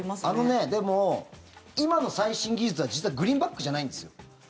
あのね、でも今の最新技術は実はグリーンバックじゃないんですよ。